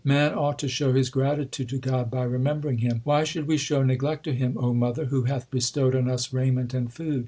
Man ought to show his gratitude to God by remem bering Him : Why should we show neglect to Him, O mother, Who hath bestowed on us raiment and food